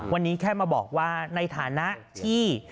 วันนี้แค่มาบอกว่าในฐานะที่